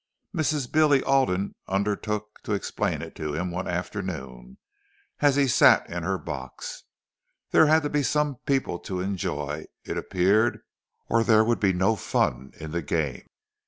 Mrs. Billy Alden undertook to explain it to him, one afternoon, as he sat in her box. There had to be some people to enjoy, it appeared, or there would be no fun in the game.